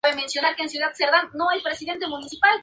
Era tan fresco.